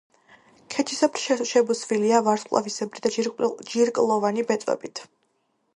ქეჩისებრ შებუსვილია ვარსკვლავისებრი და ჯირკვლოვანი ბეწვებით.